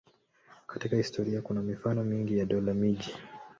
Katika historia kuna mifano mingi ya dola-miji.